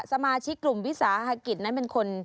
สมาชิกกลุ่มวิสาหกิจนั้นเป็นคน